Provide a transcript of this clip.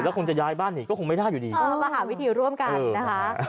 คงจะย้ายบ้านหนีก็คงไม่ได้อยู่ดีมาหาวิธีร่วมกันนะคะ